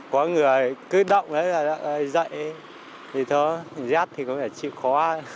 có người cứ động hay dậy thì thôi rét thì cũng phải chịu khó